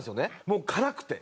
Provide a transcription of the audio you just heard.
もう辛くて。